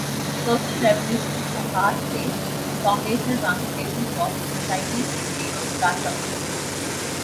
Social Revolutions are fast-paced foundational transformations of society's state and class structures.